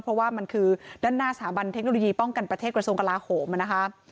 เพราะว่ามันคือด้านหน้าสถาบันเทคโนโลยีป้องกันประเทศกระทรวงกลาโหมนะคะ